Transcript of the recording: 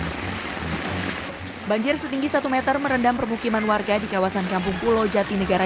hai banjir setinggi satu m merendam permukiman warga di kawasan kampung kulo jati negara